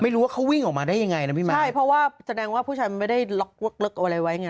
ไม่รู้ว่าเขาวิ่งออกมาได้ยังไงนะพี่ม้าใช่เพราะว่าแสดงว่าผู้ชายมันไม่ได้ล็อกลึกอะไรไว้ไง